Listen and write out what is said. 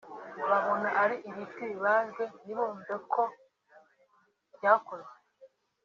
Babona ari ibiti bibaje ntibumve uko byakozwe